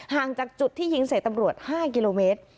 ห่างจากจุดที่ยิงใส่ตำรวจ๕กิโลเมตร